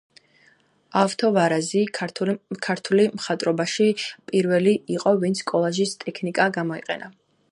ავთო ვარაზი ქართული მხატვრობაში პირველი იყო ვინც კოლაჟის ტექნიკა გამოიყენა.